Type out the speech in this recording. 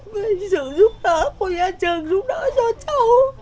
với sự giúp đỡ của nhà trường giúp đỡ cho